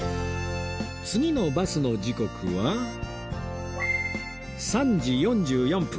次のバスの時刻は３時４４分